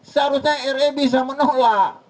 seharusnya ri bisa menolak